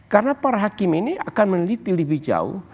karena para hakim ini akan meneliti lebih jauh